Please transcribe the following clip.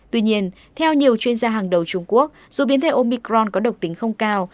tuy nhiên theo nhiều chuyên gia hàng đầu trung quốc dù biến thể omicron có độc tính không cao